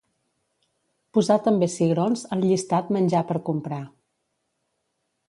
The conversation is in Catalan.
Posar també cigrons al llistat menjar per comprar.